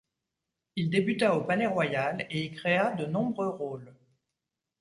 Il débuta au Palais-Royal et y créa de nombreux rôles.